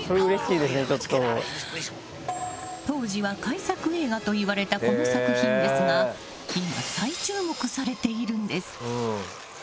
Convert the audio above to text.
当時は怪作映画と言われたこの作品ですが今、再注目されているんです。